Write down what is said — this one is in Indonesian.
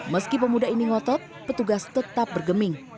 meski pemuda ini ngotot petugas tetap bergeming